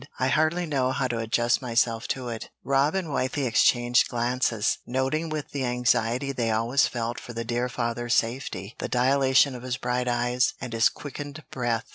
"I hardly know how to adjust myself to it." Rob and Wythie exchanged glances, noting with the anxiety they always felt for the dear father's safety, the dilation of his bright eyes and his quickened breath.